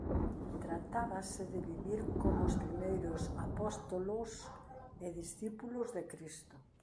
Tratábase de vivir como os primeiros apóstolos e discípulos de Cristo.